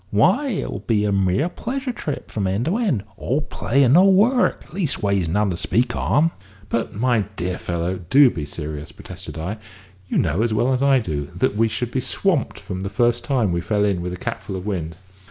Why, it will be a mere pleasure trip from end to end, all play and no work, leastways none to speak on!" "But, my dear fellow, do be serious," protested I. "You know, as well as I do, that we should be swamped the first time we fell in with a capful of wind."